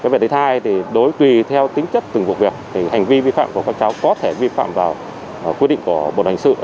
về tế thai thì đối tùy theo tính chất từng cuộc việc thì hành vi vi phạm của các cháu có thể vi phạm vào quy định của bộ đoàn hành sự